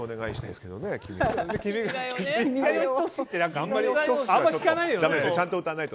でも、あまり聞かないよね。